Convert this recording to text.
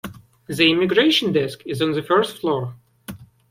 The immigration desk is on the first floor.